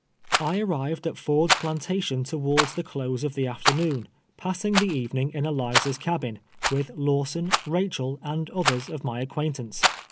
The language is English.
I arrived at Ford's plantation towards the close of tlie afternoon, passing the evening in Eliza's cabin, with Lawson, Rachel, and others of my acrpiaintance.